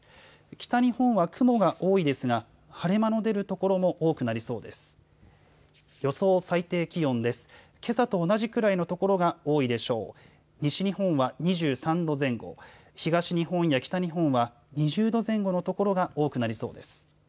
北日本は雲が多いですが晴れ間の出るところも多くなりそうです。